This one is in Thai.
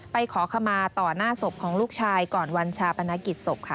ขอขมาต่อหน้าศพของลูกชายก่อนวันชาปนกิจศพค่ะ